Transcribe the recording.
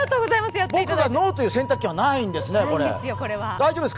僕がノーと言う選択権はないんですね。